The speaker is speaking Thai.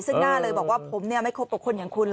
ซึ่งหน้าเลยบอกว่าผมเนี่ยไม่ครบกับคนอย่างคุณหรอก